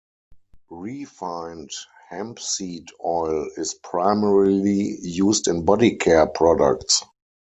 Refined hempseed oil is primarily used in body care products.